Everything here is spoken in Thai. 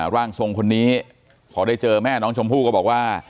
ร่างทรงคนนี้พอได้เจอแม่น้องชมพู่ก็บอกว่า